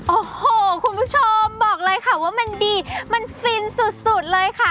โอ้โหคุณผู้ชมบอกเลยค่ะว่ามันดีมันฟินสุดเลยค่ะ